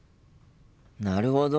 なるほど。